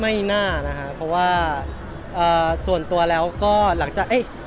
ไม่น่านะคะเพราะว่าส่วนตัวแล้วก็หลังจากเอ๊ะ